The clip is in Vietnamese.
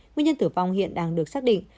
nguyên nhân tử vong hiện đang được xác định